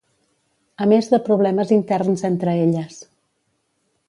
A més de problemes interns entre elles.